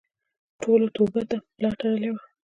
ټولو توبو ته ملا تړلې وه.